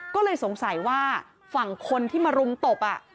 ก็เลยสงสัยว่าฝั่งคนที่มารุมตบ